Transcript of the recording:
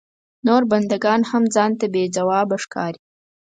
نور بنده ګان هم ځان ته بې ځوابه ښکاري.